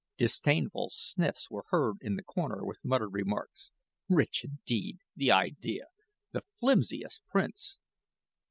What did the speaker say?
Disdainful sniffs were heard in the corner with muttered remarks: "Rich indeed the idea the flimsiest prints."